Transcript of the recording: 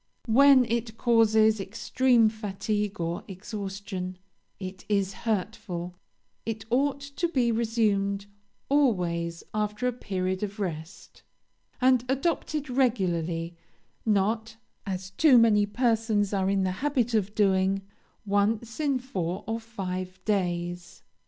When it causes extreme fatigue or exhaustion, it is hurtful; it ought to be resumed always after a period of rest, and adopted regularly, not, as too many persons are in the habit of doing, once in four or five days.